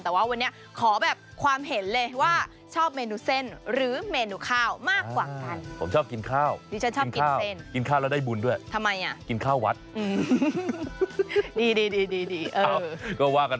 แต่ว่าวันนี้ขอแบบความเห็นเลยว่าชอบเมนูเส้นหรือเมนูข้าวมากกว่ากัน